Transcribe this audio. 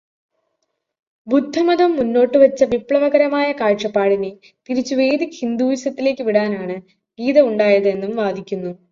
ബുദ്ധമതം മുന്നോട്ട് വച്ച വിപ്ലവകരമായ കാഴ്ചപാടിനെ തിരിച്ചു വേദിക് ഹിന്ദൂയിസത്തിലേക്ക് വിടാനാണു ഗീത ഉണ്ടായത് എന്നും വാദിക്കുന്നു.